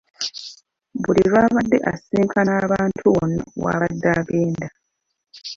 Buli lw'abadde asisinkana abantu wonna w'abadde agenda